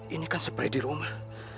ini kan seperti di rumah